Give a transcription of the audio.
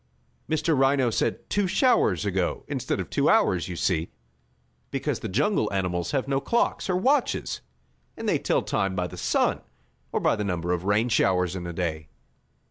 Mr. Rhino said "two showers ago," instead of "two hours," you see, because the jungle animals have no clocks or watches, and they tell time by the sun, or by the number of rain showers in a day.